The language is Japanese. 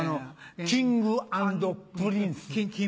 Ｋｉｎｇ＆Ｐｒｉｎｃｅ。